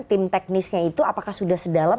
tim teknisnya itu apakah sudah sedalam